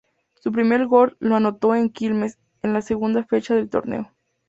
Su primer gol lo anotó ante Quilmes, en la segunda fecha del torneo.